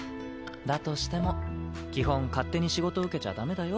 だとしても基本勝手に仕事受けちゃダメだよ。